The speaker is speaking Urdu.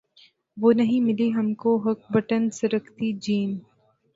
وہ نہیں ملی ہم کو ہک بٹن سرکتی جین